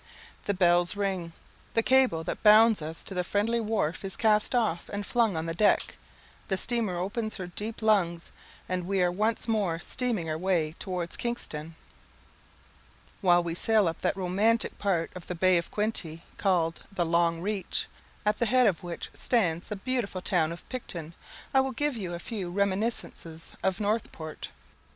The bell rings the cable that bound us to the friendly wharf is cast off and flung on the deck the steamer opens her deep lungs, and we are once more stemming our way towards Kingston. While we sail up that romantic part of the Bay of Quinte, called the "Long Reach," at the head of which stands the beautiful town of Picton, I will give you a few reminiscences of Northport.